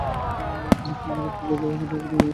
হ্যাঁ, আমরা হাতে পাওয়া ডেটাগুলো অ্যানালাইসিস করেছি।